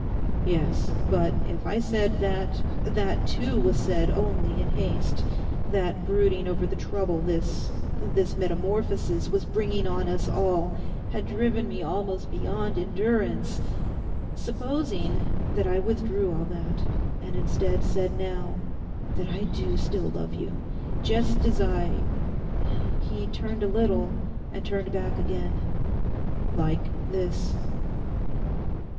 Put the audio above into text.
'Yes; but if I said that that too was said only in haste, that brooding over the trouble this—this metamorphosis was bringing on us all had driven me almost beyond endurance: supposing that I withdrew all that, and instead said now that I do still love you, just as I—' he turned a little, and turned back again, 'like this?